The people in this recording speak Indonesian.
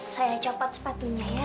saya copot sepatunya ya